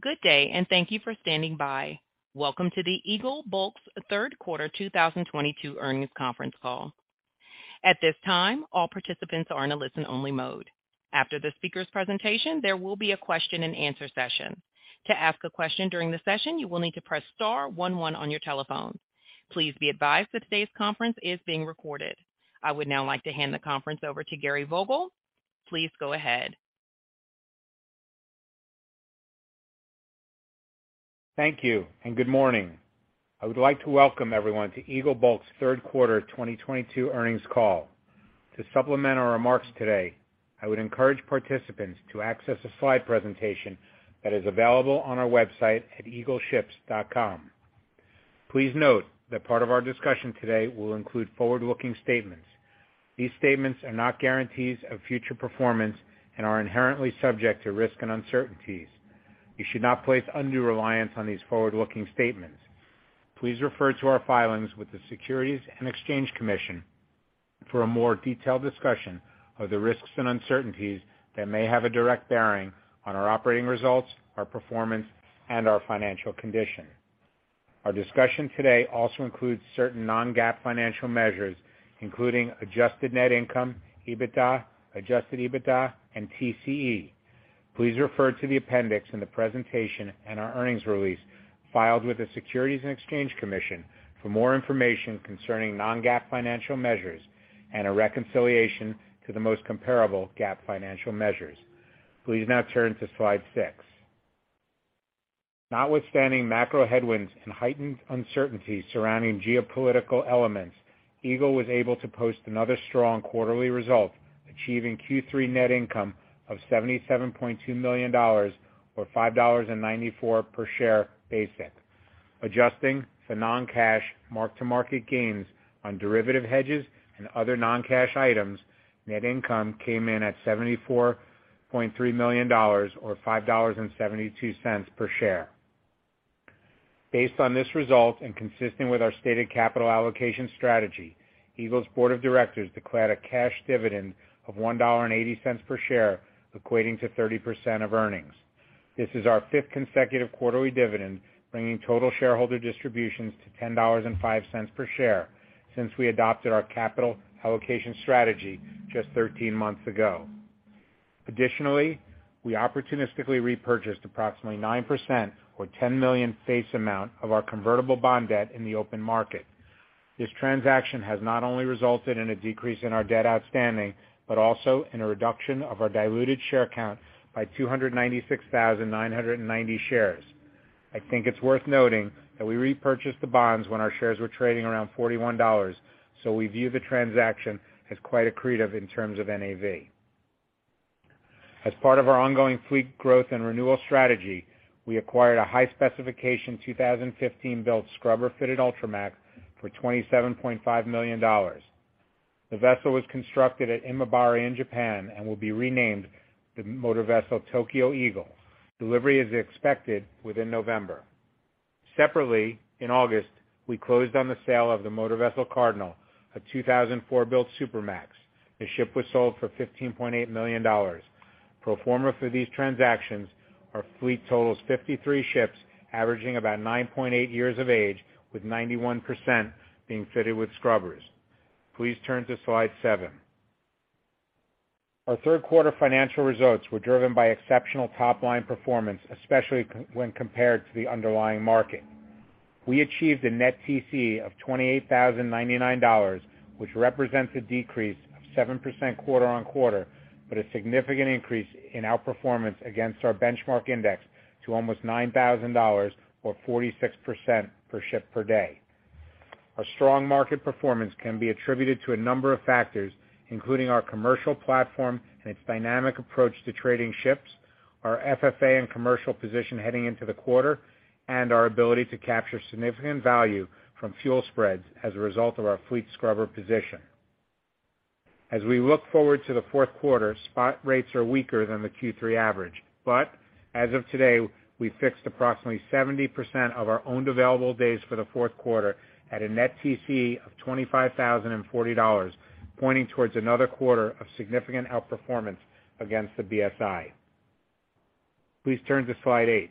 Good day, and thank you for standing by. Welcome to the Eagle Bulk's Third Quarter 2022 Earnings Conference Call. At this time, all participants are in a listen-only mode. After the speaker's presentation, there will be a question-and-answer session. To ask a question during the session, you will need to press star one one on your telephone. Please be advised that today's conference is being recorded. I would now like to hand the conference over to Gary Vogel. Please go ahead. Thank you and good morning. I would like to welcome everyone to Eagle Bulk's Third Quarter 2022 Earnings Call. To supplement our remarks today, I would encourage participants to access a slide presentation that is available on our website at eagleships.com. Please note that part of our discussion today will include forward-looking statements. These statements are not guarantees of future performance and are inherently subject to risks and uncertainties. You should not place undue reliance on these forward-looking statements. Please refer to our filings with the Securities and Exchange Commission for a more detailed discussion of the risks and uncertainties that may have a direct bearing on our operating results, our performance, and our financial condition. Our discussion today also includes certain non-GAAP financial measures, including adjusted net income, EBITDA, Adjusted EBITDA, and TCE. Please refer to the appendix in the presentation and our earnings release filed with the Securities and Exchange Commission for more information concerning non-GAAP financial measures and a reconciliation to the most comparable GAAP financial measures. Please now turn to slide six. Notwithstanding macro headwinds and heightened uncertainty surrounding geopolitical elements, Eagle was able to post another strong quarterly result, achieving Q3 net income of $77.2 million or $5.90 per share basic. Adjusting for non-cash mark-to-market gains on derivative hedges and other non-cash items, net income came in at $74.3 million or $5.72 per share. Based on this result and consistent with our stated capital allocation strategy, Eagle's board of directors declared a cash dividend of $1.80 per share, equating to 30% of earnings. This is our fifth consecutive quarterly dividend, bringing total shareholder distributions to $10.05 per share since we adopted our capital allocation strategy just 13 months ago. Additionally, we opportunistically repurchased approximately 9% or $10 million face amount of our convertible bond debt in the open market. This transaction has not only resulted in a decrease in our debt outstanding, but also in a reduction of our diluted share count by 296,990 shares. I think it's worth noting that we repurchased the bonds when our shares were trading around $41, so we view the transaction as quite accretive in terms of NAV. As part of our ongoing fleet growth and renewal strategy, we acquired a high-specification 2015-built scrubber-fitted Ultramax for $27.5 million. The vessel was constructed at Imabari in Japan and will be renamed the motor vessel Tokyo Eagle. Delivery is expected within November. Separately, in August, we closed on the sale of the motor vessel Cardinal, a 2004-built Supramax. The ship was sold for $15.8 million. Pro forma for these transactions, our fleet totals 53 ships, averaging about 9.8 years of age, with 91% being fitted with scrubbers. Please turn to slide seven. Our third quarter financial results were driven by exceptional top-line performance, especially when compared to the underlying market. We achieved a net TC of $28,099, which represents a decrease of 7% quarter-on-quarter, but a significant increase in our performance against our benchmark index to almost $9,000 or 46% per ship per day. Our strong market performance can be attributed to a number of factors, including our commercial platform and its dynamic approach to trading ships, our FFA and commercial position heading into the quarter, and our ability to capture significant value from fuel spreads as a result of our fleet scrubber position. As we look forward to the fourth quarter, spot rates are weaker than the Q3 average. As of today, we fixed approximately 70% of our owned available days for the fourth quarter at a net TC of $25,040, pointing towards another quarter of significant outperformance against the BSI. Please turn to slide eight.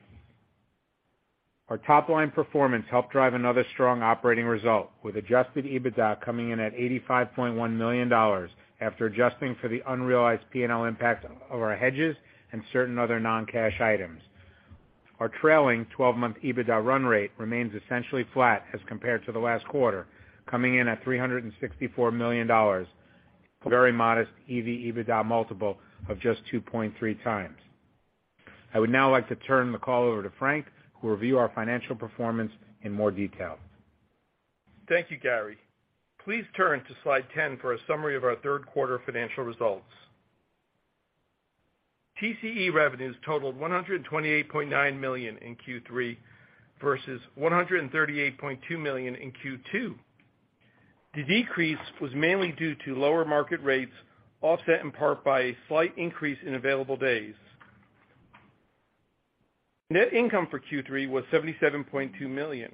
Our top-line performance helped drive another strong operating result, with Adjusted EBITDA coming in at $85.1 million after adjusting for the unrealized P&L impact of our hedges and certain other non-cash items. Our trailing 12 month EBITDA run rate remains essentially flat as compared to the last quarter, coming in at $364 million, a very modest EV/EBITDA multiple of just 2.3x. I would now like to turn the call over to Frank, who will review our financial performance in more detail. Thank you, Gary. Please turn to slide 10 for a summary of our third quarter financial results. TCE revenues totaled $128.9 million in Q3 versus $138.2 million in Q2. The decrease was mainly due to lower market rates, offset in part by a slight increase in available days. Net income for Q3 was $77.2 million.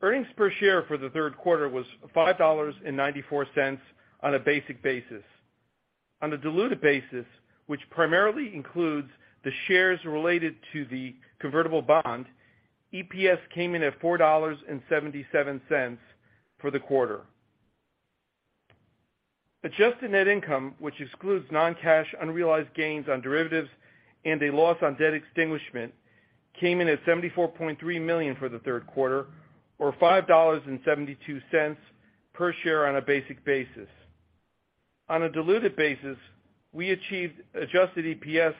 Earnings per share for the third quarter was $5.94 on a basic basis. On a diluted basis, which primarily includes the shares related to the convertible bond, EPS came in at $4.77 for the quarter. Adjusted net income, which excludes non-cash unrealized gains on derivatives and a loss on debt extinguishment, came in at $74.3 million for the third quarter, or $5.72 per share on a basic basis. On a diluted basis, we achieved Adjusted EPS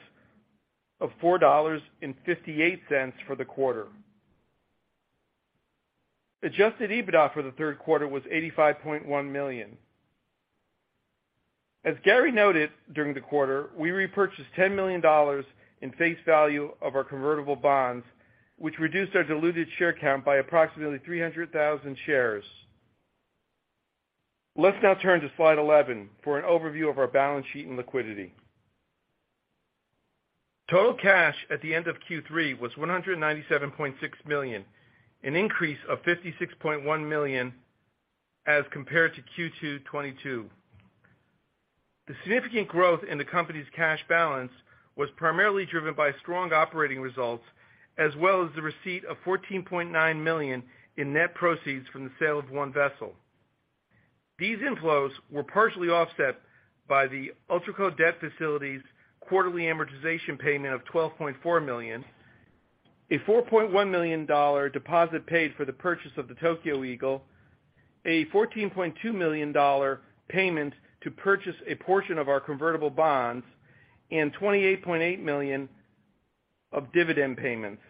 of $4.58 for the quarter. Adjusted EBITDA for the third quarter was $85.1 million. As Gary noted, during the quarter, we repurchased $10 million in face value of our convertible bonds, which reduced our diluted share count by approximately 300,000 shares. Let's now turn to slide 11 for an overview of our balance sheet and liquidity. Total cash at the end of Q3 was $197.6 million, an increase of $56.1 million as compared to Q2 2022. The significant growth in the company's cash balance was primarily driven by strong operating results, as well as the receipt of $14.9 million in net proceeds from the sale of one vessel. These inflows were partially offset by the Ultraco debt facility's quarterly amortization payment of $12.4 million, a $4.1 million deposit paid for the purchase of the Tokyo Eagle, a $14.2 million payment to purchase a portion of our convertible bonds, and $28.8 million of dividend payments.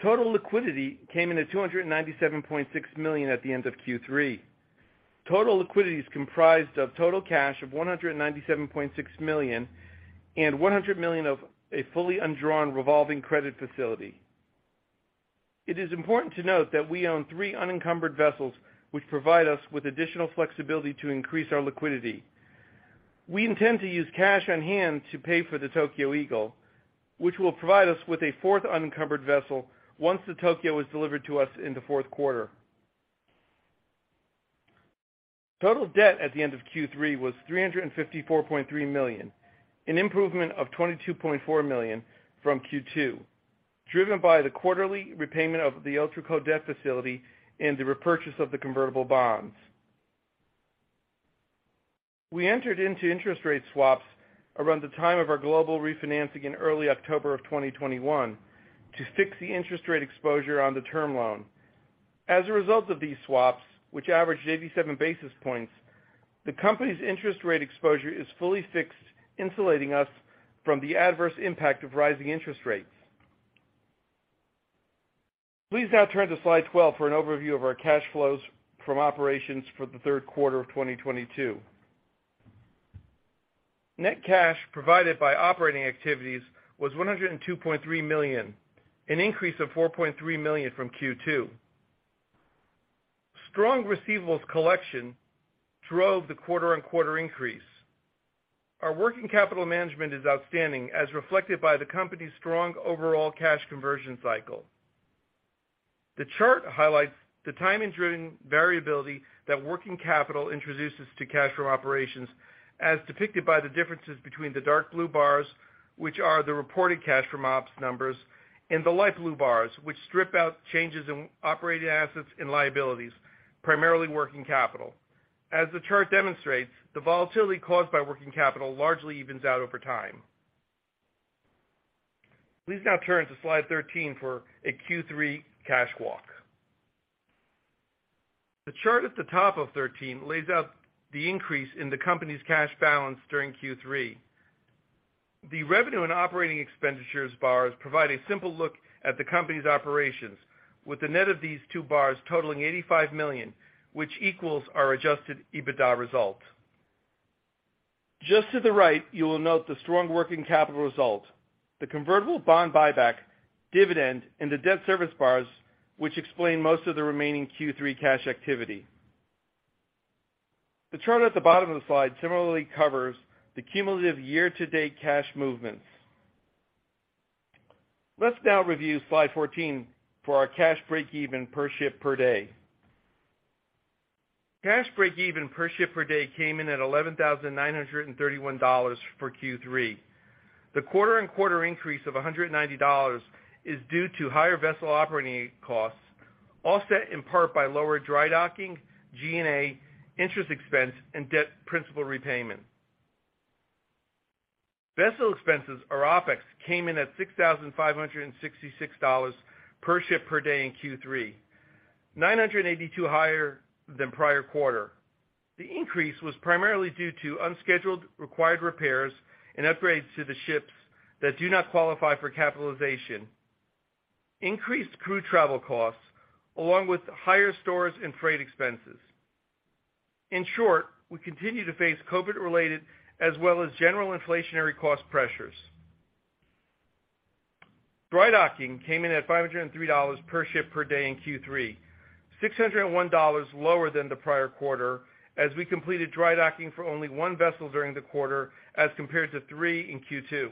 Total liquidity came in at $297.6 million at the end of Q3. Total liquidity is comprised of total cash of $197.6 million and $100 million of a fully undrawn revolving credit facility. It is important to note that we own three unencumbered vessels, which provide us with additional flexibility to increase our liquidity. We intend to use cash on hand to pay for the Tokyo Eagle, which will provide us with a fourth unencumbered vessel once the Tokyo is delivered to us in the fourth quarter. Total debt at the end of Q3 was $354.3 million, an improvement of $22.4 million from Q2, driven by the quarterly repayment of the Ultraco debt facility and the repurchase of the convertible bonds. We entered into interest rate swaps around the time of our global refinancing in early October of 2021 to fix the interest rate exposure on the term loan. As a result of these swaps, which averaged 87 basis points, the company's interest rate exposure is fully fixed, insulating us from the adverse impact of rising interest rates. Please now turn to slide 12 for an overview of our cash flows from operations for the third quarter of 2022. Net cash provided by operating activities was $102.3 million, an increase of $4.3 million from Q2. Strong receivables collection drove the quarter-on-quarter increase. Our working capital management is outstanding, as reflected by the company's strong overall cash conversion cycle. The chart highlights the timing-driven variability that working capital introduces to cash from operations, as depicted by the differences between the dark blue bars, which are the reported cash from ops numbers, and the light blue bars, which strip out changes in operating assets and liabilities, primarily working capital. As the chart demonstrates, the volatility caused by working capital largely evens out over time. Please now turn to slide 13 for a Q3 cash walk. The chart at the top of 13 lays out the increase in the company's cash balance during Q3. The revenue and operating expenditures bars provide a simple look at the company's operations, with the net of these two bars totaling $85 million, which equals our Adjusted EBITDA results. Just to the right, you will note the strong working capital result, the convertible bond buyback dividend, and the debt service bars, which explain most of the remaining Q3 cash activity. The chart at the bottom of the slide similarly covers the cumulative year-to-date cash movements. Let's now review slide 14 for our cash breakeven per ship per day. Cash breakeven per ship per day came in at $11,931 for Q3. The quarter-on-quarter increase of $190 is due to higher vessel operating costs, offset in part by lower dry docking, G&A, interest expense, and debt principal repayment. Vessel expenses, or OpEx, came in at $6,566 per ship per day in Q3, $982 higher than prior quarter. The increase was primarily due to unscheduled required repairs and upgrades to the ships that do not qualify for capitalization, increased crew travel costs, along with higher stores and freight expenses. In short, we continue to face COVID-related as well as general inflationary cost pressures. Dry docking came in at $503 per ship per day in Q3, $601 lower than the prior quarter as we completed dry docking for only one vessel during the quarter as compared to three in Q2.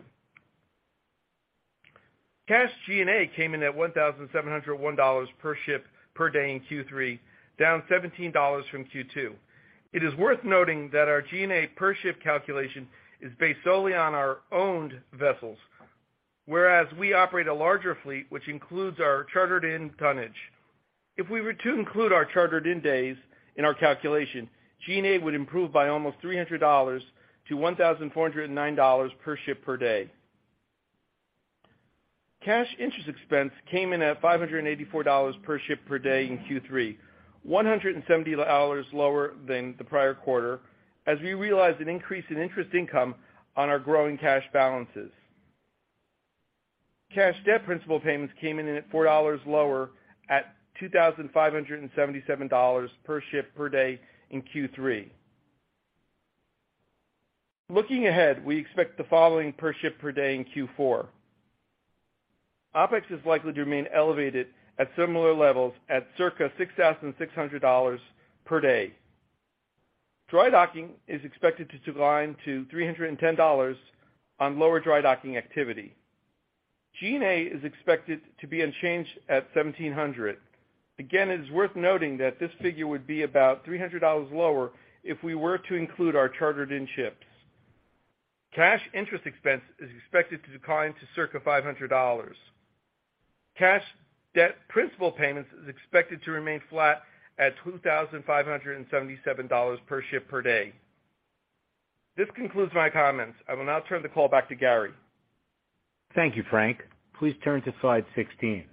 Cash G&A came in at $1,701 per ship per day in Q3, down $17 from Q2. It is worth noting that our G&A per ship calculation is based solely on our owned vessels, whereas we operate a larger fleet, which includes our chartered-in tonnage. If we were to include our chartered-in days in our calculation, G&A would improve by almost $300-$1,409 per ship per day. Cash interest expense came in at $584 per ship per day in Q3, $170 lower than the prior quarter as we realized an increase in interest income on our growing cash balances. Cash debt principal payments came in at $4 lower, at $2,577 per ship per day in Q3. Looking ahead, we expect the following per ship per day in Q4. OpEx is likely to remain elevated at similar levels at circa $6,600 per day. Dry docking is expected to decline to $310 on lower dry docking activity. G&A is expected to be unchanged at $1,700. Again, it is worth noting that this figure would be about $300 lower if we were to include our chartered-in ships. Cash interest expense is expected to decline to circa $500. Cash debt principal payments is expected to remain flat at $2,577 per ship per day. This concludes my comments. I will now turn the call back to Gary. Thank you, Frank. Please turn to slide 16.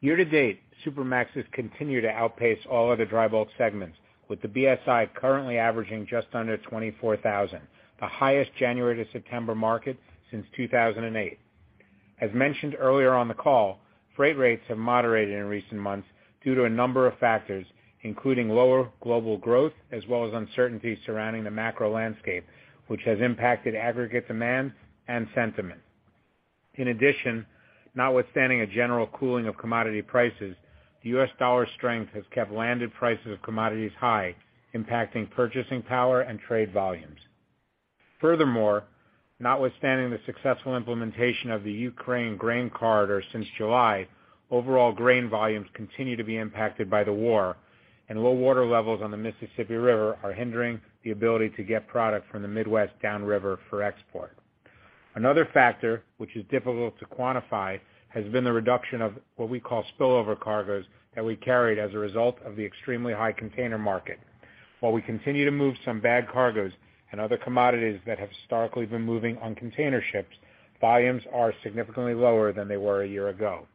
Year-to-date, Supramax has continued to outpace all other dry bulk segments, with the BSI currently averaging just under 24,000, the highest January to September market since 2008. As mentioned earlier on the call, freight rates have moderated in recent months due to a number of factors, including lower global growth as well as uncertainty surrounding the macro landscape, which has impacted aggregate demand and sentiment. In addition, notwithstanding a general cooling of commodity prices, the U.S. dollar strength has kept landed prices of commodities high, impacting purchasing power and trade volumes. Furthermore, notwithstanding the successful implementation of the Black Sea Grain Initiative since July, overall grain volumes continue to be impacted by the war, and low water levels on the Mississippi River are hindering the ability to get product from the Midwest downriver for export. Another factor which is difficult to quantify has been the reduction of what we call spillover cargoes that we carried as a result of the extremely high container market. While we continue to move some bag cargoes and other commodities that have historically been moving on container ships, volumes are significantly lower than they were a year ago.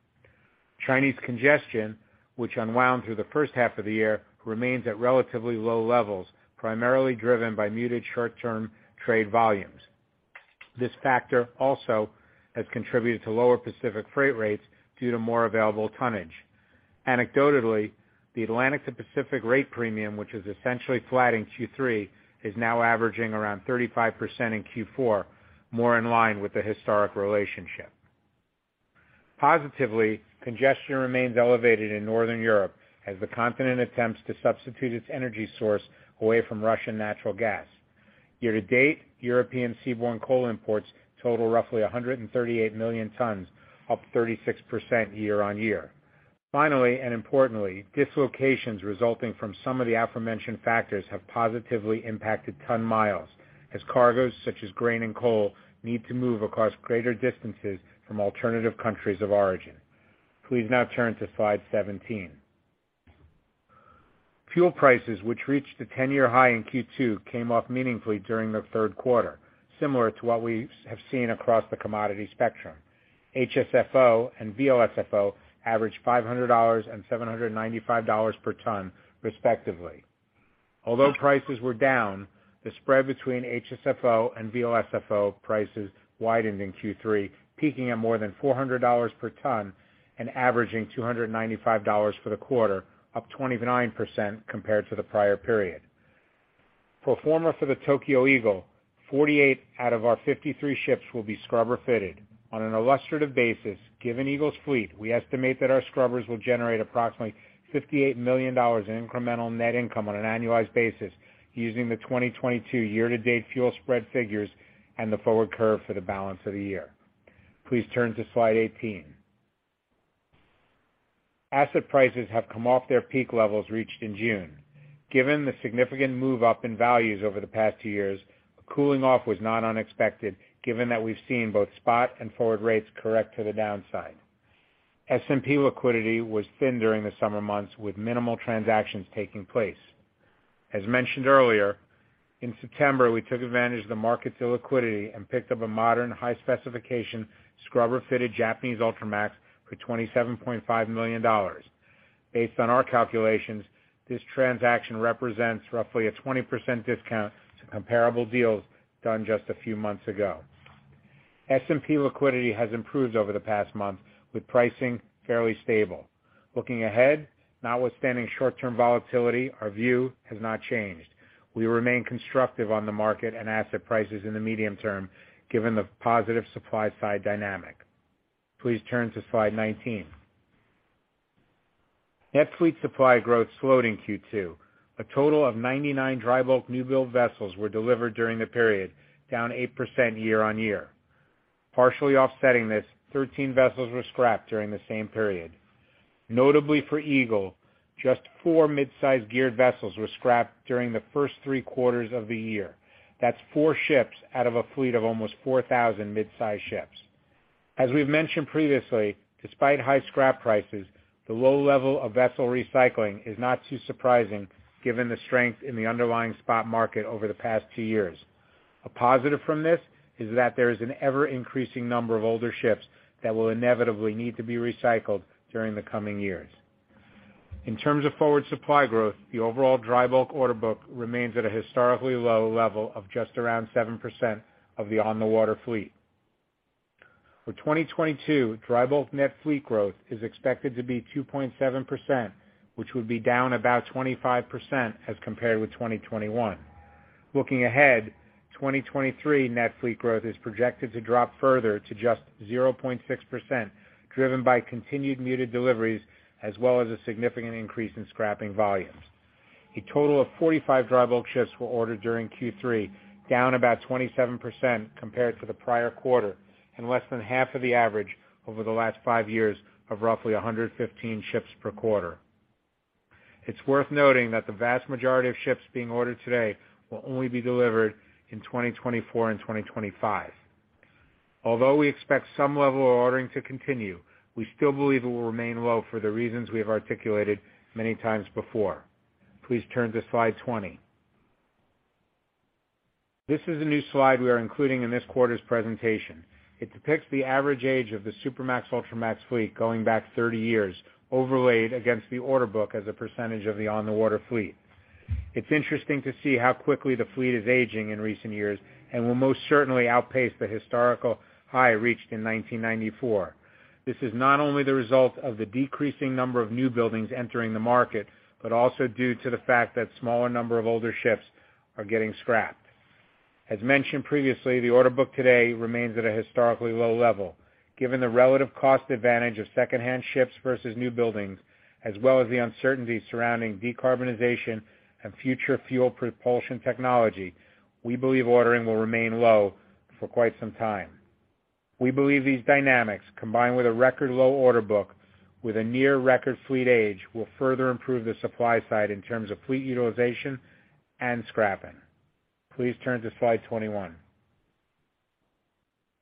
Chinese congestion, which unwound through the first half of the year, remains at relatively low levels, primarily driven by muted short-term trade volumes. This factor also has contributed to lower Pacific freight rates due to more available tonnage. Anecdotally, the Atlantic to Pacific rate premium, which was essentially flat in Q3, is now averaging around 35% in Q4, more in line with the historic relationship. Positively, congestion remains elevated in Northern Europe as the continent attempts to substitute its energy source away from Russian natural gas. Year-to-date, European seaborne coal imports total roughly 138 million tons, up 36% year-on-year. Finally, and importantly, dislocations resulting from some of the aforementioned factors have positively impacted ton-miles as cargoes such as grain and coal need to move across greater distances from alternative countries of origin. Please now turn to slide 17. Fuel prices, which reached a 10-year high in Q2, came off meaningfully during the third quarter, similar to what we have seen across the commodity spectrum. HSFO and VLSFO averaged $500 and $795 per ton, respectively. Although prices were down, the spread between HSFO and VLSFO prices widened in Q3, peaking at more than $400 per ton and averaging $295 for the quarter, up 29% compared to the prior period. Pro forma for the Tokyo Eagle, 48 out of our 53 ships will be scrubber fitted. On an illustrative basis, given Eagle's fleet, we estimate that our scrubbers will generate approximately $58 million in incremental net income on an annualized basis using the 2022 year-to-date fuel spread figures and the forward curve for the balance of the year. Please turn to slide 18. Asset prices have come off their peak levels reached in June. Given the significant move up in values over the past two years, a cooling off was not unexpected, given that we've seen both spot and forward rates correct to the downside. S&P liquidity was thin during the summer months, with minimal transactions taking place. As mentioned earlier, in September, we took advantage of the market's illiquidity and picked up a modern high specification scrubber-fitted Japanese Ultramax for $27.5 million. Based on our calculations, this transaction represents roughly a 20% discount to comparable deals done just a few months ago. S&P liquidity has improved over the past month, with pricing fairly stable. Looking ahead, notwithstanding short-term volatility, our view has not changed. We remain constructive on the market and asset prices in the medium term given the positive supply side dynamic. Please turn to slide 19. Net fleet supply growth slowed in Q2. A total of 99 dry bulk new build vessels were delivered during the period, down 8% year-on-year. Partially offsetting this, 13 vessels were scrapped during the same period. Notably for Eagle, just four mid-size geared vessels were scrapped during the first three quarters of the year. That's four ships out of a fleet of almost 4,000 mid-size ships. As we've mentioned previously, despite high scrap prices, the low level of vessel recycling is not too surprising given the strength in the underlying spot market over the past two years. A positive from this is that there is an ever-increasing number of older ships that will inevitably need to be recycled during the coming years. In terms of forward supply growth, the overall dry bulk order book remains at a historically low level of just around 7% of the on-the-water fleet. For 2022, dry bulk net fleet growth is expected to be 2.7%, which would be down about 25% as compared with 2021. Looking ahead, 2023 net fleet growth is projected to drop further to just 0.6%, driven by continued muted deliveries as well as a significant increase in scrapping volumes. A total of 45 dry bulk ships were ordered during Q3, down about 27% compared to the prior quarter and less than half of the average over the last five years of roughly 115 ships per quarter. It's worth noting that the vast majority of ships being ordered today will only be delivered in 2024 and 2025. Although we expect some level of ordering to continue, we still believe it will remain low for the reasons we have articulated many times before. Please turn to slide 20. This is a new slide we are including in this quarter's presentation. It depicts the average age of the Supramax, Ultramax fleet going back 30 years, overlaid against the order book as a percentage of the on-the-water fleet. It's interesting to see how quickly the fleet is aging in recent years, and will most certainly outpace the historical high reached in 1994. This is not only the result of the decreasing number of new buildings entering the market, but also due to the fact that smaller number of older ships are getting scrapped. As mentioned previously, the order book today remains at a historically low level. Given the relative cost advantage of secondhand ships versus new buildings, as well as the uncertainty surrounding decarbonization and future fuel propulsion technology, we believe ordering will remain low for quite some time. We believe these dynamics, combined with a record low order book with a near record fleet age, will further improve the supply side in terms of fleet utilization and scrapping. Please turn to slide 21.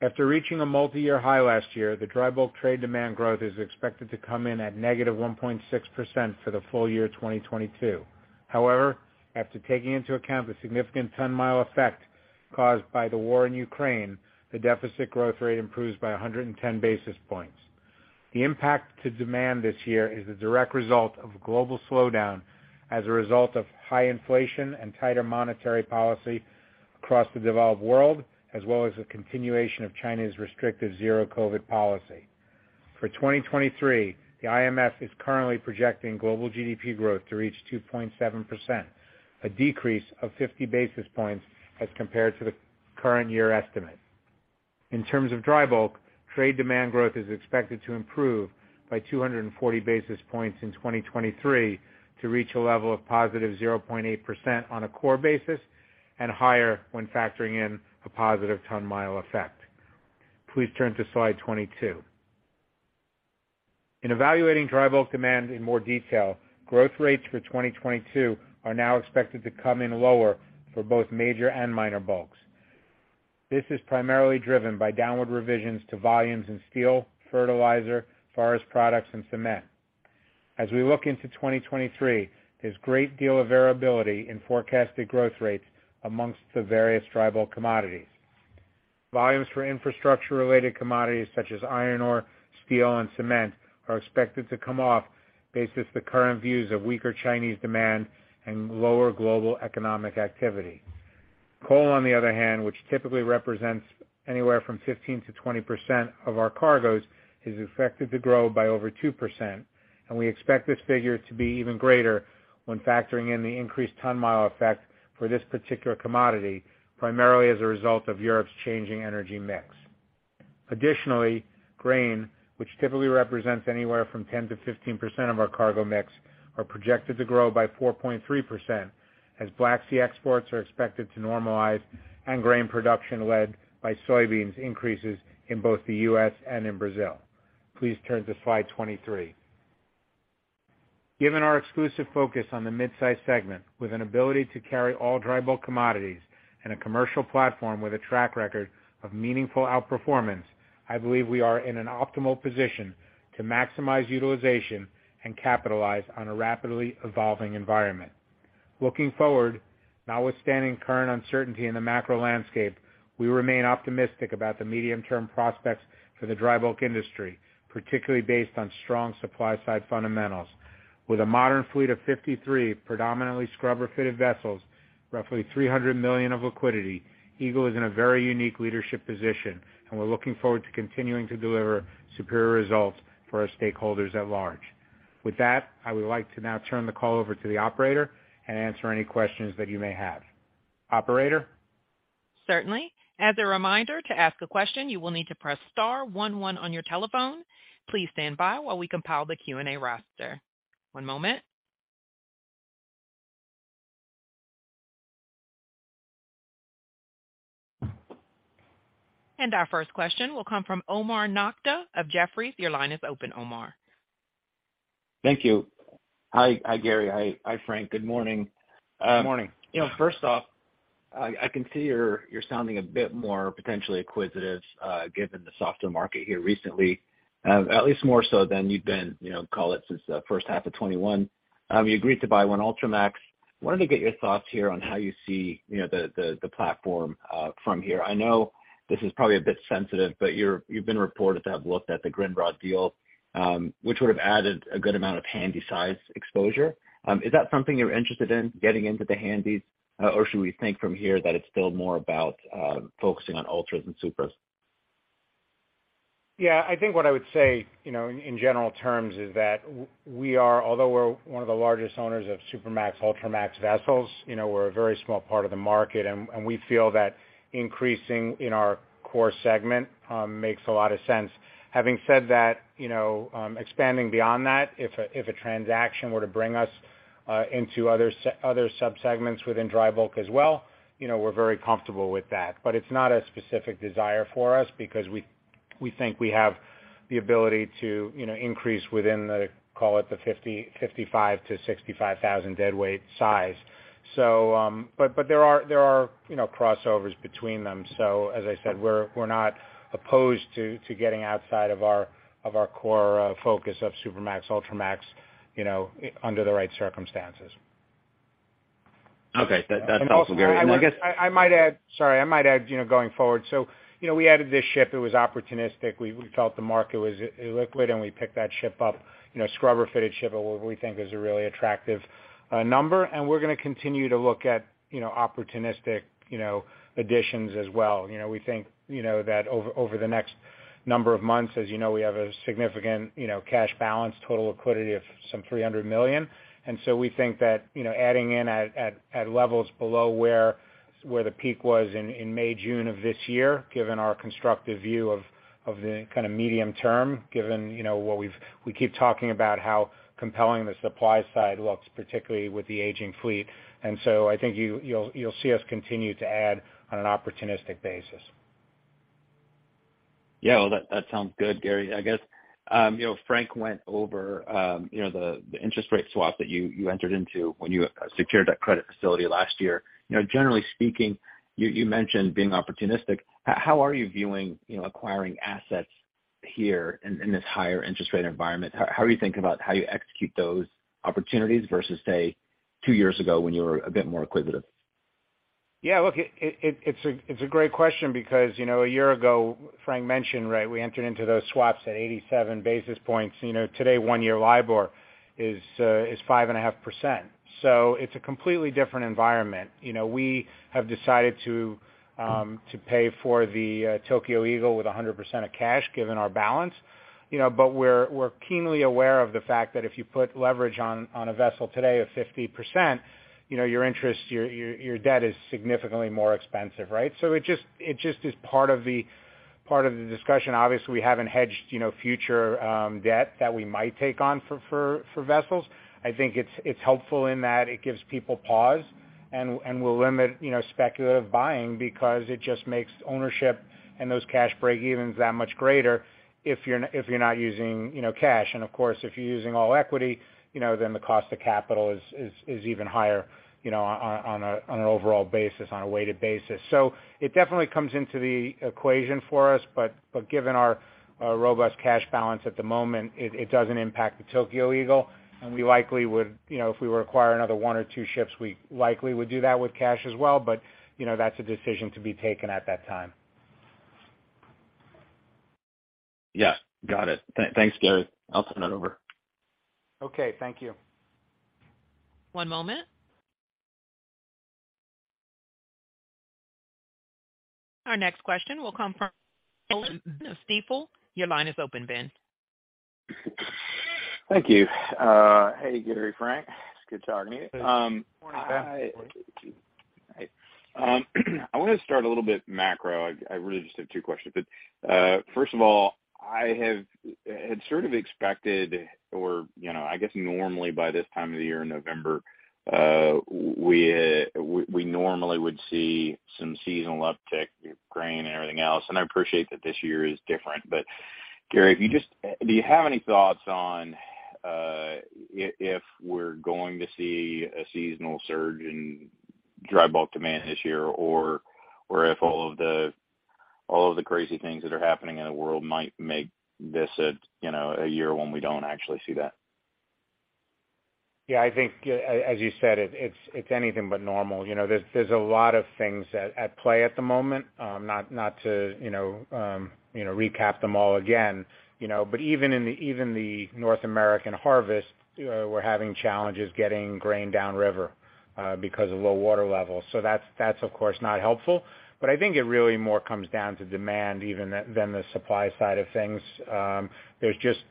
After reaching a multi-year high last year, the dry bulk trade demand growth is expected to come in at -1.6% for the full year 2022. However, after taking into account the significant ton-mile effect caused by the war in Ukraine, the demand growth rate improves by 110 basis points. The impact to demand this year is a direct result of a global slowdown as a result of high inflation and tighter monetary policy across the developed world, as well as a continuation of China's restrictive zero-COVID policy. For 2023, the IMF is currently projecting global GDP growth to reach 2.7%, a decrease of 50 basis points as compared to the current year estimate. In terms of dry bulk, trade demand growth is expected to improve by 240 basis points in 2023 to reach a level of +0.8% on a core basis, and higher when factoring in a positive ton-mile effect. Please turn to slide 22. In evaluating dry bulk demand in more detail, growth rates for 2022 are now expected to come in lower for both major and minor bulks. This is primarily driven by downward revisions to volumes in steel, fertilizer, forest products, and cement. As we look into 2023, there's a great deal of variability in forecasted growth rates among the various dry bulk commodities. Volumes for infrastructure-related commodities such as iron ore, steel, and cement are expected to come off base as the current views of weaker Chinese demand and lower global economic activity. Coal, on the other hand, which typically represents anywhere from 15%-20% of our cargoes, is expected to grow by over 2%, and we expect this figure to be even greater when factoring in the increased ton-mile effect for this particular commodity, primarily as a result of Europe's changing energy mix. Additionally, grain, which typically represents anywhere from 10%-15% of our cargo mix, are projected to grow by 4.3% as Black Sea exports are expected to normalize and grain production led by soybeans increases in both the U.S. and in Brazil. Please turn to slide 23. Given our exclusive focus on the mid-size segment with an ability to carry all dry bulk commodities and a commercial platform with a track record of meaningful outperformance, I believe we are in an optimal position to maximize utilization and capitalize on a rapidly evolving environment. Looking forward, notwithstanding current uncertainty in the macro landscape, we remain optimistic about the medium-term prospects for the dry bulk industry, particularly based on strong supply side fundamentals. With a modern fleet of 53 predominantly scrubber-fitted vessels, roughly $300 million of liquidity, Eagle is in a very unique leadership position, and we're looking forward to continuing to deliver superior results for our stakeholders at large. With that, I would like to now turn the call over to the operator and answer any questions that you may have. Operator? Certainly. As a reminder, to ask a question, you will need to press star one one on your telephone. Please stand by while we compile the Q&A roster. One moment. Our first question will come from Omar Nokta of Jefferies. Your line is open, Omar. Thank you. Hi, Gary. Hi, Frank. Good morning. Good morning. You know, first off, I can see you're sounding a bit more potentially acquisitive, given the softer market here recently, at least more so than you've been, you know, call it since the first half of 2021. You agreed to buy one Ultramax. Wanted to get your thoughts here on how you see, you know, the platform from here. I know this is probably a bit sensitive, but you've been reported to have looked at the Grindrod deal, which would have added a good amount of handy-sized exposure. Is that something you're interested in, getting into the handys, or should we think from here that it's still more about focusing on ultras and supers? Yeah. I think what I would say, you know, in general terms is that we are, although we're one of the largest owners of Supramax, Ultramax vessels, you know, we're a very small part of the market, and we feel that increasing in our core segment makes a lot of sense. Having said that, you know, expanding beyond that, if a transaction were to bring us into other subsegments within dry bulk as well, you know, we're very comfortable with that. It's not a specific desire for us because we think we have the ability to, you know, increase within the, call it, the 55,000-65,000 deadweight size. There are, you know, crossovers between them. As I said, we're not opposed to getting outside of our core focus of Supramax, Ultramax, you know, under the right circumstances. Okay. That's helpful, Gary. I guess. Sorry, I might add, you know, going forward, so, you know, we added this ship. It was opportunistic. We felt the market was illiquid, and we picked that ship up, you know, scrubber-fitted ship at what we think is a really attractive number. And we're gonna continue to look at, you know, opportunistic, you know, additions as well, you know, we think, you know, that over the next number of months, as you know, we have a significant, you know, cash balance, total liquidity of some $300 million. We think that, you know, adding in at levels below where the peak was in May, June of this year, given our constructive view of the kind of medium term, given, you know, what we keep talking about how compelling the supply side looks, particularly with the aging fleet. I think you'll see us continue to add on an opportunistic basis. Yeah. Well, that sounds good, Gary. I guess, you know, Frank went over, you know, the interest rate swap that you entered into when you secured that credit facility last year, you know, generally speaking, you mentioned being opportunistic. How are you viewing, you know, acquiring assets here in this higher interest rate environment? How are you thinking about how you execute those opportunities versus, say, two years ago when you were a bit more acquisitive? Yeah. Look, it's a great question because, you know, a year ago, Frank mentioned, right, we entered into those swaps at 87 basis points, you know, today, one-year LIBOR is 5.5%. It's a completely different environment, you know, we have decided to pay for the Tokyo Eagle with 100% cash given our balance, you know, but we're keenly aware of the fact that if you put leverage on a vessel today of 50%, you know, your interest, your debt is significantly more expensive, right? It just is part of the discussion. Obviously, we haven't hedged, you know, future debt that we might take on for vessels. I think it's helpful in that it gives people pause and will limit, you know, speculative buying because it just makes ownership and those cash break evens that much greater if you're not using, you know, cash. Of course, if you're using all equity, you know, then the cost of capital is even higher, you know, on an overall basis, on a weighted basis. It definitely comes into the equation for us, but given our robust cash balance at the moment, it doesn't impact the Tokyo Eagle, and we likely would, you know, if we were acquire another one or two ships, we likely would do that with cash as well, but, you know, that's a decision to be taken at that time. Yeah. Got it. Thanks, Gary. I'll turn it over. Okay. Thank you. One moment. Our next question will come from Ben Nolan of Stifel. Your line is open, Ben. Thank you. Hey, Gary, Frank. It's good talking to you. Morning, Ben. Hi. I wanna start a little bit macro. I really just have two questions. First of all, I have had sort of expected or, you know, I guess normally by this time of the year in November, we normally would see some seasonal uptick with grain and everything else. I appreciate that this year is different. Gary, do you have any thoughts on if we're going to see a seasonal surge in dry bulk demand this year or if all of the crazy things that are happening in the world might make this a, you know, a year when we don't actually see that? Yeah. I think as you said, it's anything but normal, you know, there's a lot of things at play at the moment. Not to you know, recap them all again, you know. Even in the North American harvest, we're having challenges getting grain down river because of low water levels. That's of course not helpful. I think it really more comes down to demand even than the supply side of things. There's just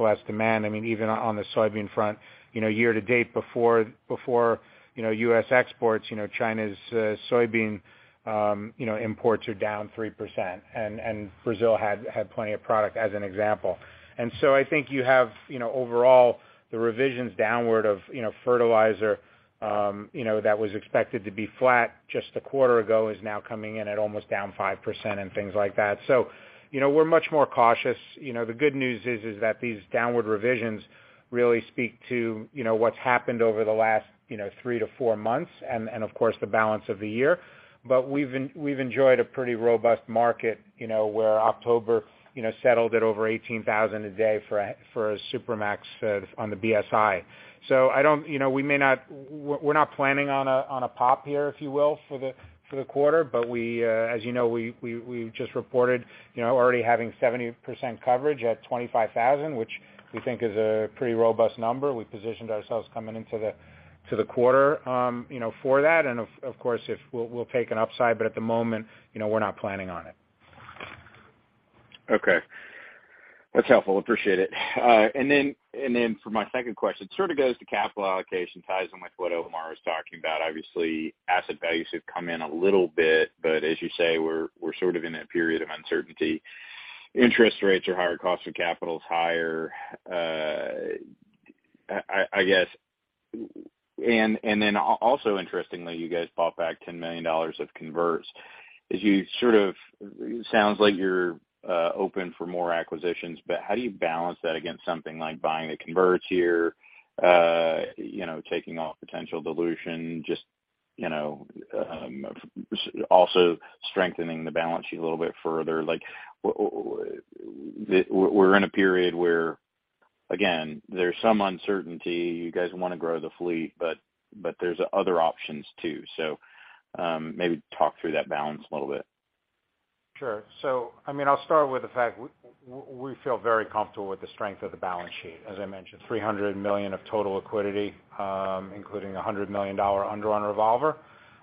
less demand. I mean, even on the soybean front, you know, year-to-date before you know, U.S. exports, you know, China's soybean you know, imports are down 3% and Brazil had plenty of product as an example. I think you have, you know, overall, the revisions downward of, you know, fertilizer, you know, that was expected to be flat just a quarter ago is now coming in at almost down 5% and things like that. So, you know, we're much more cautious, you know, the good news is that these downward revisions really speak to, you know, what's happened over the last, you know, three to four months and of course, the balance of the year. We've enjoyed a pretty robust market, you know, where October, you know, settled at over $18,000 a day for a Supramax on the BSI. So, you know, we're not planning on a pop here, if you will, for the quarter, but as you know, we just reported, you know, already having 70% coverage at $25,000, which we think is a pretty robust number. We positioned ourselves coming into the quarter, you know, for that. Of course, we'll take an upside, but at the moment, you know, we're not planning on it. Okay. That's helpful. Appreciate it. For my second question, sort of goes to capital allocation, ties in with what Omar was talking about. Obviously, asset values have come in a little bit, but as you say, we're sort of in a period of uncertainty. Interest rates are higher, cost of capital is higher. I guess. Then also interestingly, you guys bought back $10 million of converts. It sounds like you're open for more acquisitions, but how do you balance that against something like buying the converts here, taking off potential dilution, just also strengthening the balance sheet a little bit further? Like, we're in a period where, again, there's some uncertainty. You guys wanna grow the fleet, but there's other options too. Maybe talk through that balance a little bit. Sure. I mean, I'll start with the fact we feel very comfortable with the strength of the balance sheet. As I mentioned, $300 million of total liquidity, including a $100 million undrawn revolver.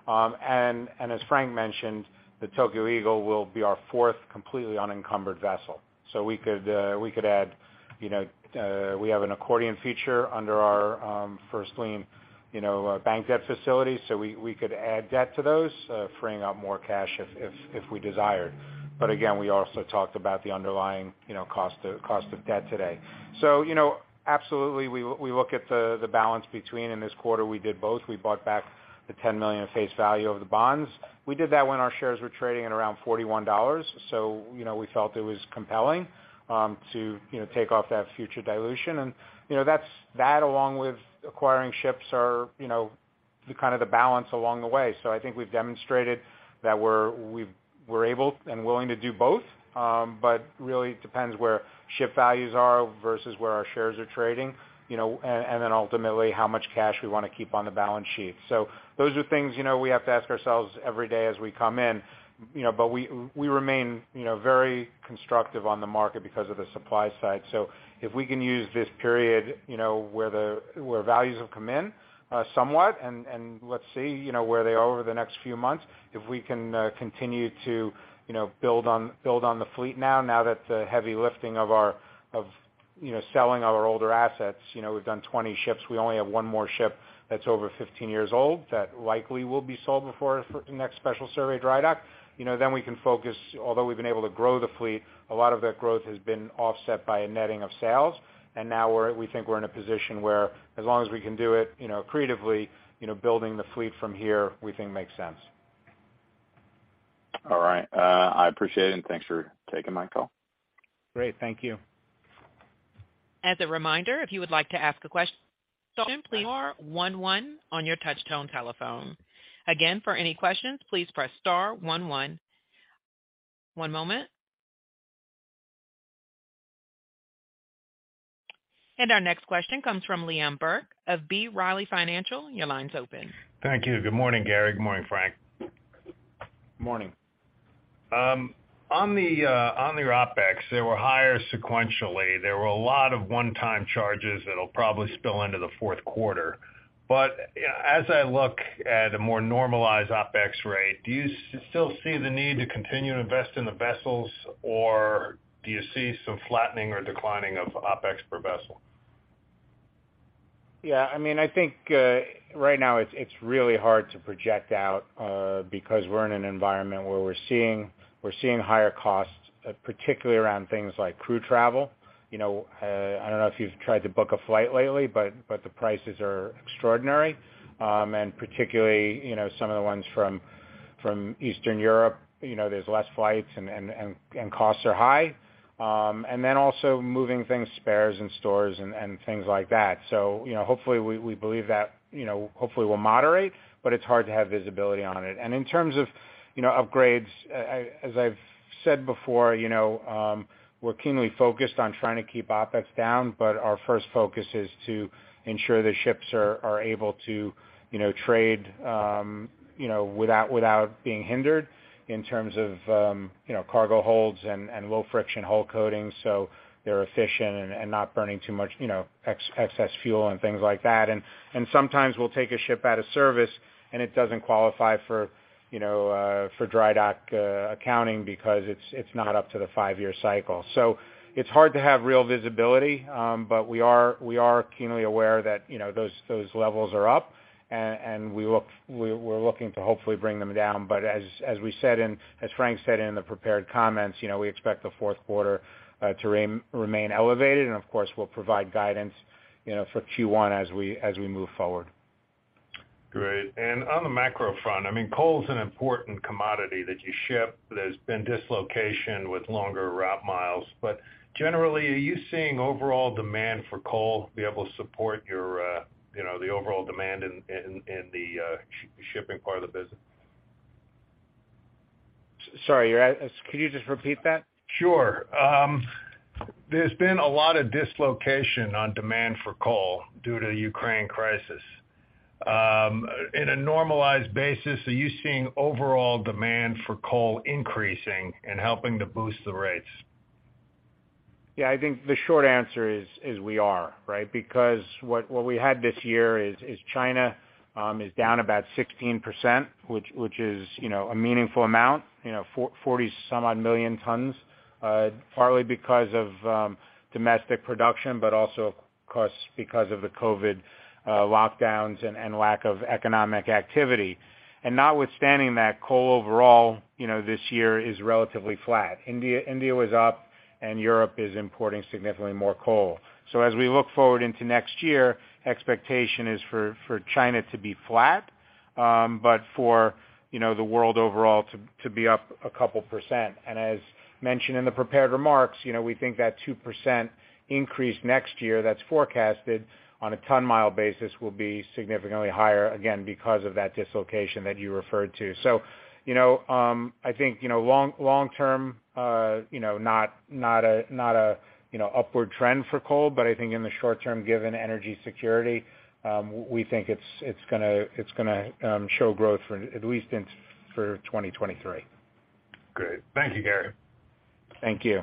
And as Frank mentioned, the Tokyo Eagle will be our fourth completely unencumbered vessel. We could add, you know. We have an accordion feature under our first lien bank debt facility, so we could add debt to those, freeing up more cash if we desired. But again, we also talked about the underlying, you know, cost of debt today, so, you know, absolutely, we look at the balance between. In this quarter, we did both. We bought back the $10 million face value of the bonds. We did that when our shares were trading at around $41, so you know, we felt it was compelling to you know, take off that future dilution, you know, that's that along with acquiring ships are you know, the kind of the balance along the way. I think we've demonstrated that we're able and willing to do both, but really it depends where ship values are versus where our shares are trading, you know, and then ultimately how much cash we wanna keep on the balance sheet. Those are things you know, we have to ask ourselves every day as we come in, you know, we remain you know, very constructive on the market because of the supply side. If we can use this period, you know, where values have come in somewhat, and let's see, you know, where they are over the next few months. If we can continue to, you know, build on the fleet now that the heavy lifting of our, you know, selling our older assets, you know, we've done 20 ships. We only have one more ship that's over 15 years old that likely will be sold before next special survey dry dock, you know, then we can focus. Although we've been able to grow the fleet, a lot of that growth has been offset by a netting of sales. Now we think we're in a position where as long as we can do it, you know, creatively, you know, building the fleet from here, we think makes sense. All right. I appreciate it, and thanks for taking my call. Great. Thank you. As a reminder, if you would like to ask a question, please star one one on your touchtone telephone. Again, for any questions, please press star one one. One moment. Our next question comes from Liam Burke of B. Riley Financial. Your line's open. Thank you. Good morning, Gary. Good morning, Frank. Morning. On the OpEx, they were higher sequentially. There were a lot of one-time charges that'll probably spill into the fourth quarter. But, you know, as I look at a more normalized OpEx rate, do you still see the need to continue to invest in the vessels, or do you see some flattening or declining of OpEx per vessel? Yeah, I mean, I think right now it's really hard to project out because we're in an environment where we're seeing higher costs, particularly around things like crew travel, you know, I don't know if you've tried to book a flight lately, but the prices are extraordinary. Particularly, you know, some of the ones from Eastern Europe, you know, there's less flights and costs are high. Then also moving things, spares and stores and things like that, so, you know, hopefully we believe that, you know, hopefully will moderate, but it's hard to have visibility on it. In terms of, you know, upgrades, as I've said before, you know, we're keenly focused on trying to keep OpEx down, but our first focus is to ensure the ships are able to, you know, trade, you know, without being hindered in terms of, you know, cargo holds and low friction hull coatings, so they're efficient and not burning too much, you know, excess fuel and things like that. Sometimes we'll take a ship out of service and it doesn't qualify for, you know, for dry dock accounting because it's not up to the five-year cycle. It's hard to have real visibility, but we are keenly aware that, you know, those levels are up, and we look, we're looking to hopefully bring them down. As we said, as Frank said in the prepared comments, you know, we expect the fourth quarter to remain elevated and of course we'll provide guidance, you know, for Q1 as we move forward. Great. On the macro front, I mean, coal is an important commodity that you ship. There's been dislocation with longer route miles. But generally, are you seeing overall demand for coal be able to support your, you know, the overall demand in the shipping part of the business? Sorry, could you just repeat that? Sure. There's been a lot of dislocation on demand for coal due to Ukraine crisis. In a normalized basis, are you seeing overall demand for coal increasing and helping to boost the rates? Yeah, I think the short answer is we are, right? Because what we had this year is China is down about 16%, which is, you know, a meaningful amount, you know, forty-some odd million tons, partly because of domestic production, but also of course because of the COVID lockdowns and lack of economic activity. Notwithstanding that coal overall, you know, this year is relatively flat. India was up and Europe is importing significantly more coal. As we look forward into next year, expectation is for China to be flat, but for, you know, the world overall to be up a couple percent. As mentioned in the prepared remarks, you know, we think that 2% increase next year that's forecasted on a ton-mile basis will be significantly higher, again, because of that dislocation that you referred to. So, you know, I think, you know, long term, you know, not a upward trend for coal, but I think in the short term, given energy security, we think it's gonna show growth for at least for 2023. Great. Thank you, Gary. Thank you.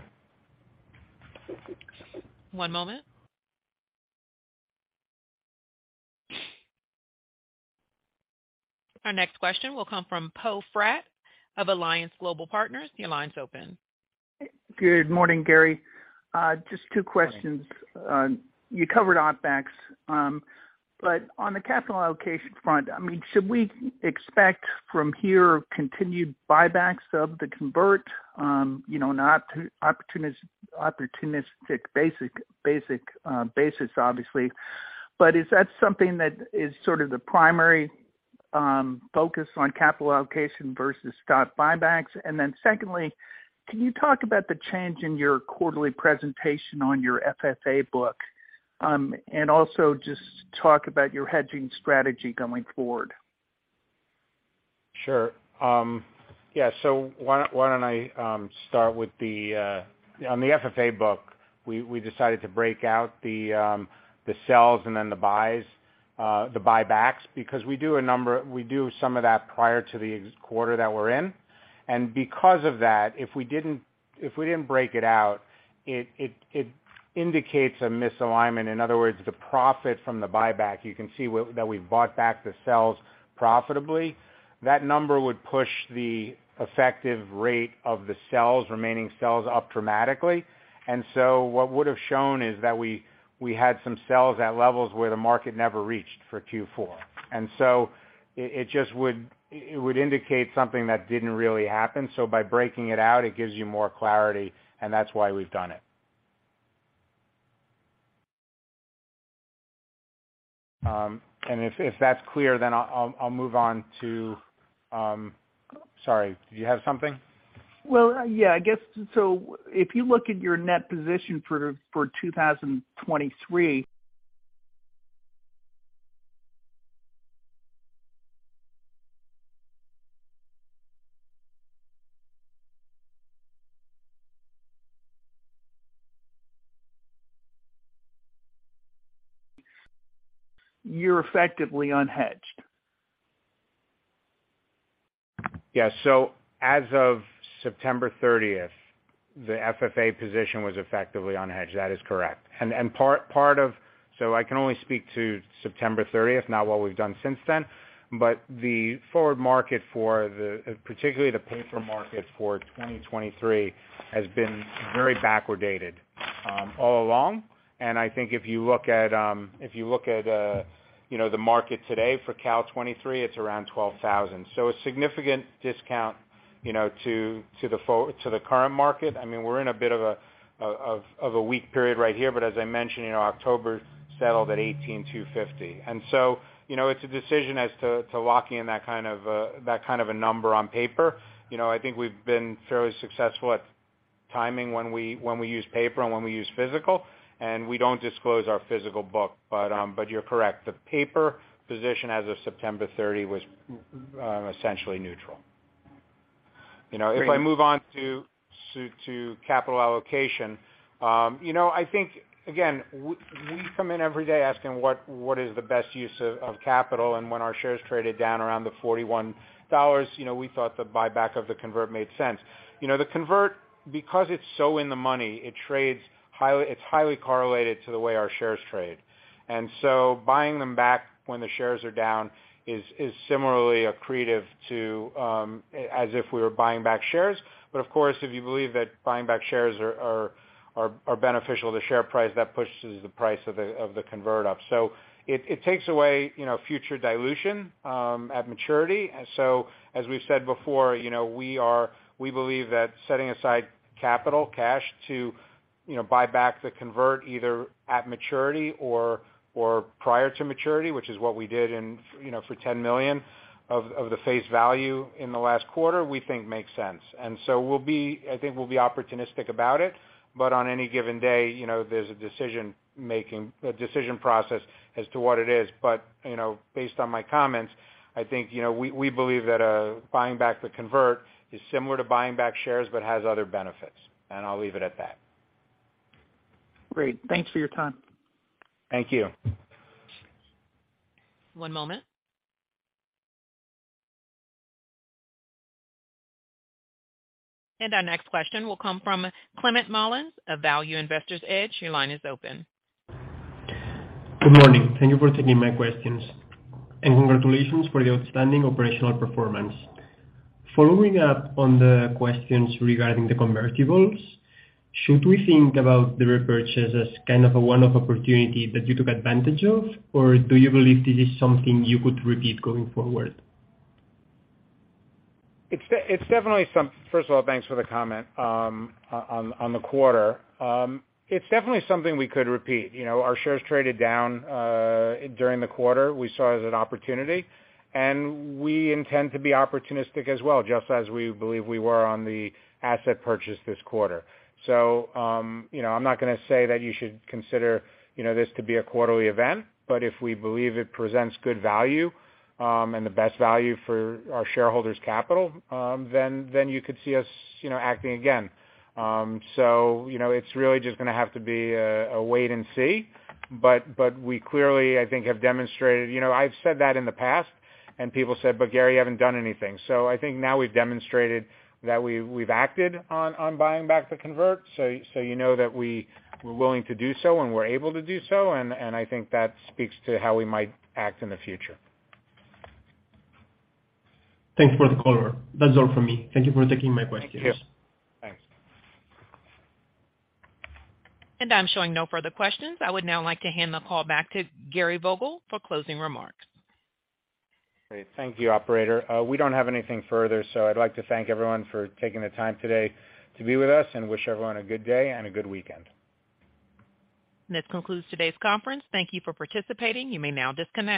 One moment. Our next question will come from Poe Fratt of Alliance Global Partners. Your line is open. Good morning, Gary. Just two questions. You covered OpEx. On the capital allocation front, I mean, should we expect from here continued buybacks of the convert, you know, on an opportunistic basis, obviously. Is that something that is sort of the primary focus on capital allocation versus stock buybacks? Secondly, can you talk about the change in your quarterly presentation on your FFA book? Also just talk about your hedging strategy going forward. Sure. Yeah. Why don't I start with the FFA book. We decided to break out the sells and then the buys, the buybacks, because we do some of that prior to the quarter that we're in. Because of that, if we didn't break it out, it indicates a misalignment. In other words, the profit from the buyback, you can see that we bought back the sells profitably. That number would push the effective rate of the remaining sells up dramatically. What would have shown is that we had some sells at levels where the market never reached for Q4. It just would indicate something that didn't really happen. By breaking it out, it gives you more clarity, and that's why we've done it. If that's clear, then I'll move on to. Sorry, did you have something? Well, yeah, I guess so if you look at your net position for 2023, you're effectively unhedged. Yeah. As of September 30th, the FFA position was effectively unhedged. That is correct. I can only speak to September 30th, not what we've done since then. The forward market for particularly the paper market for 2023 has been very backwardated all along. I think if you look at you know the market today for Cal 2023, it's around $12,000. A significant discount you know to the current market. I mean, we're in a bit of a weak period right here, as I mentioned you know October settled at $18,250. It's a decision as to locking in that kind of a number on paper. You know, I think we've been fairly successful at timing when we use paper and when we use physical, and we don't disclose our physical book. You're correct. The paper position as of September 30 was essentially neutral, you know, if I move on to capital allocation, you know, I think again, we come in every day asking what is the best use of capital. When our shares traded down around the $41, you know, we thought the buyback of the convert made sense, you know, the convert because it's so in the money, it trades highly, it's highly correlated to the way our shares trade. Buying them back when the shares are down is similarly accretive to as if we were buying back shares. Of course, if you believe that buying back shares are beneficial to share price, that pushes the price of the convert up. It takes away, you know, future dilution at maturity. As we've said before, you know, we believe that setting aside capital cash to you know, buy back the convert either at maturity or prior to maturity, which is what we did in, you know, for $10 million of the face value in the last quarter, we think makes sense. We'll be, I think, opportunistic about it, but on any given day, you know, there's a decision-making process as to what it is. But, you know, based on my comments, I think, you know, we believe that buying back the convert is similar to buying back shares but has other benefits. I'll leave it at that. Great. Thanks for your time. Thank you. One moment. Our next question will come from Clement Mullins of Value Investor's Edge. Your line is open. Good morning. Thank you for taking my questions, and congratulations for the outstanding operational performance. Following up on the questions regarding the convertibles, should we think about the repurchase as kind of a one-off opportunity that you took advantage of? Or do you believe this is something you could repeat going forward? First of all, thanks for the comment on the quarter. It's definitely something we could repeat, you know, our shares traded down during the quarter. We saw it as an opportunity, and we intend to be opportunistic as well, just as we believe we were on the asset purchase this quarter. So, you know, I'm not gonna say that you should consider, you know, this to be a quarterly event, but if we believe it presents good value and the best value for our shareholders' capital, then you could see us, you know, acting again. So, you know, it's really just gonna have to be a wait and see, but we clearly, I think, have demonstrated. You know, I've said that in the past, and people said, "But Gary, you haven't done anything." I think now we've demonstrated that we've acted on buying back the convert, so you know that we're willing to do so and we're able to do so, and I think that speaks to how we might act in the future. Thanks for the color. That's all for me. Thank you for taking my questions. Thank you. Thanks. I'm showing no further questions. I would now like to hand the call back to Gary Vogel for closing remarks. Great. Thank you, Operator. We don't have anything further, so I'd like to thank everyone for taking the time today to be with us and wish everyone a good day and a good weekend. This concludes today's conference. Thank you for participating. You may now disconnect.